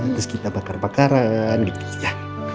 terus kita bakar bakaran gitu ya